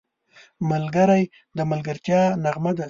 ملګری د ملګرتیا نغمه ده